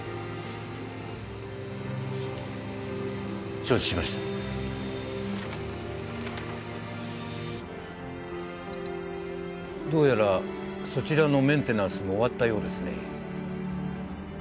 承知しましたどうやらそちらのメンテナンスも終わったようですね